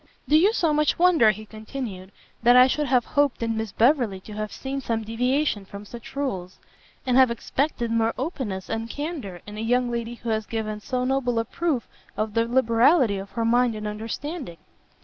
"Do you so much wonder," he continued, "that I should have hoped in Miss Beverley to have seen some deviation from such rules? and have expected more openness and candour in a young lady who has given so noble a proof of the liberality of her mind and understanding?"